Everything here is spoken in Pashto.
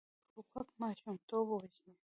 توپک ماشومتوب وژني.